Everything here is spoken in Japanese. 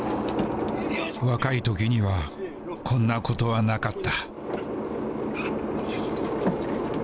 若いときにはこんなことはなかった。